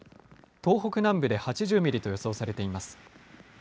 東北南部で８０ミリと予想されています。